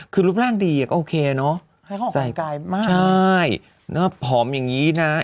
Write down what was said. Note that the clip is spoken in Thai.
คือรูปร่างดีก็โอเคเนอะให้เขาออกกำลังกายมากใช่ผอมอย่างนี้นะ